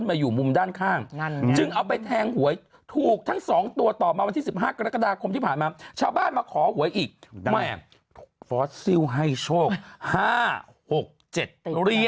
นั่นคือคนที่เขาจับอะไร